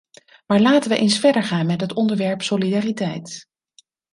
Maar laten we eens verder gaan met het onderwerp solidariteit.